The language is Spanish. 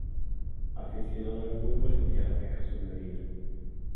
Aficionado al fútbol y a la pesca submarina.